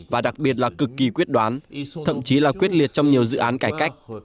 và đặc biệt là cực kỳ quyết đoán thậm chí là quyết liệt trong nhiều dự án cải cách